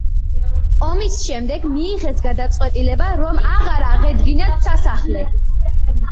ომის შემდეგ მიიღეს გადაწყვეტილება, რომ აღარ აღედგინათ სასახლე.